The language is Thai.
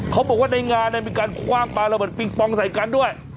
เขาบอกว่าในงานมีการคว่างปลาระเบิดปิงปองใส่กันด้วย